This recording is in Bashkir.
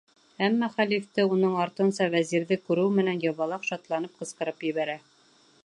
Әммә хәлифте, уның артынса вәзирҙе күреү менән, ябалаҡ шатланып ҡысҡырып ебәрә.